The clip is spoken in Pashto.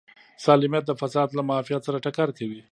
سالمیت د فساد له معافیت سره ټکر کوي.